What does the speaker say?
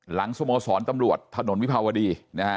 หลังสมสรรตำรวจถนนวิพาวดี